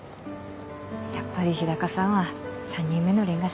やっぱり日高さんは３人目のレンガ職人。